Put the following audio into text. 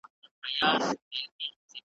چي پر تا به قضاوت کړي او شاباس درباندي اوري .